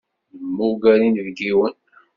Nemmuger inebgiwen.